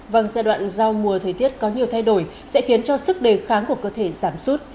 vâng giai đoạn giao mùa thời tiết có nhiều thay đổi sẽ khiến cho sức đề kháng của cơ thể giảm sút